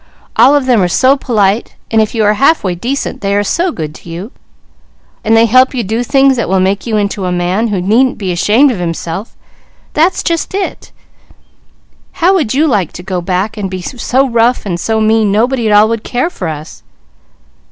All of them are so polite, and if you are halfway decent they are so good to you, and they help you to do things that will make you into a man who needn't be ashamed of himself that's just it! How would you like to go back and be so rough and so mean nobody at all would care for us?"